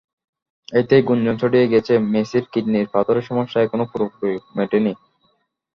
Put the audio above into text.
এতেই গুঞ্জন ছড়িয়ে গেছে, মেসির কিডনির পাথরের সমস্যাটা এখনো পুরোপুরি মেটেনি।